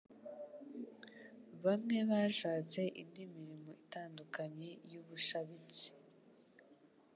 Bamwe bashatse indi mirimo itandukanye y'ubushabitsi (business